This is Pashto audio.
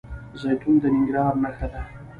زیتون د ننګرهار نښه ده.